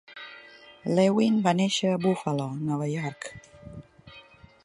Lewin va néixer a Buffalo, Nova York.